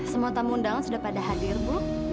semua tamu undangan sudah pada hadir bu